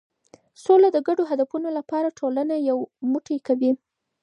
سوله د ګډو هدفونو لپاره ټولنه یو موټی کوي.